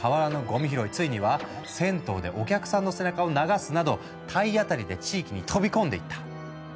ついには銭湯でお客さんの背中を流すなど体当たりで地域に飛び込んでいった。